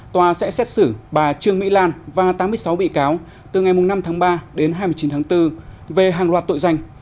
tòa sẽ xét xử bà trương mỹ lan và tám mươi sáu bị cáo từ ngày năm tháng ba đến hai mươi chín tháng bốn về hàng loạt tội danh